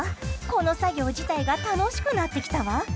この作業自体が楽しくなってきたわ。